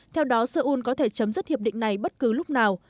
theo đó seoul có thể chấm dứt hiệp định này bất cứ lúc nào